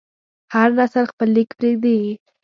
هر نسل خپل لیک پرېږدي.